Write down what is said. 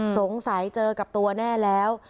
สงสัยเจอกับตัวแน่แล้ว